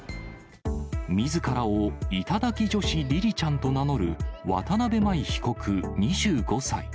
みずからを頂き女子りりちゃんと名乗る渡辺真衣被告２５歳。